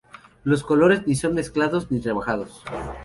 Los colores ni son mezclados, ni rebajados.